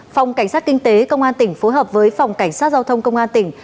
phòng cảnh sát kinh tế công an tỉnh phối hợp với phòng cảnh sát giao thông công an tỉnh